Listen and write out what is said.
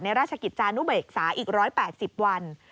ราชกิจจานุเบกษาอีก๑๘๐วัน